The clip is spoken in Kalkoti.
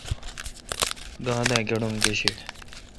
گاں دہ گݨوم گیشد۔؟